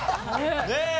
ねえ。